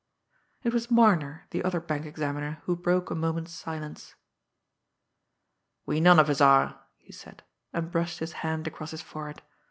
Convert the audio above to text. It was Marner, the other bank examiner, who broke a moment's silence. "We none of us are," he said, and brushed his hand across his forehead.